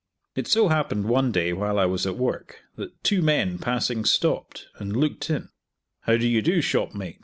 It so happened one day while I was at work that two men passing stopped, and looked in, "How do you do, shopmate?"